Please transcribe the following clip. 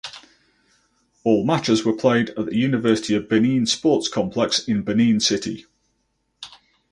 All matches were played at the University of Benin Sports Complex in Benin City.